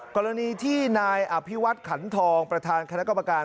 กรณีที่นายอภิวัตขันทองประธานคณะกรรมการ